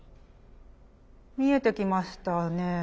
見えてきましたね。